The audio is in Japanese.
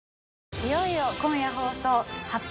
いよいよ今夜放送『発表！